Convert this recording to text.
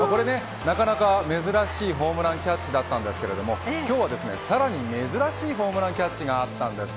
なかなか珍しいホームランキャッチだったんですが今日はさらに珍しいホームランキャッチがあったんです。